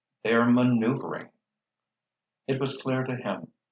"They're maneuvering." It was clear to him.